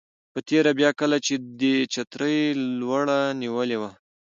په تېره بیا کله چې دې چترۍ لوړه نیولې وه.